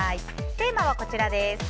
テーマはこちらです。